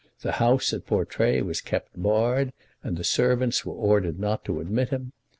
The house at Portray was kept barred, and the servants were ordered not to admit him.